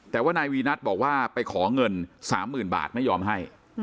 แต่ว่านายวีนัทบอกว่าไปขอเงิน๓๐๐๐บาทไม่ยอมให้